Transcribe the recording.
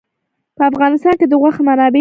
په افغانستان کې د غوښې منابع شته.